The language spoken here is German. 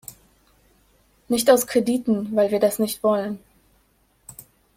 Nicht aus Krediten, weil wir das nicht wollen.